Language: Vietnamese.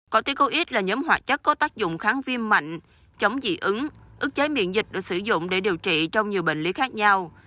corticoid là nhóm hoạt chất có tác dụng kháng viêm mạnh chống dị ứng ức cháy miệng dịch được sử dụng để điều trị trong nhiều bệnh lý khác nhau